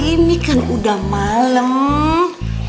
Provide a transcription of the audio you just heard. ini kan udah malem